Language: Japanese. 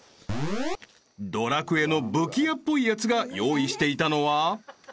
［『ドラクエ』の武器屋っぽいやつが用意していたのは］